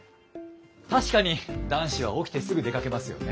確かに男子は起きてすぐ出かけますよね。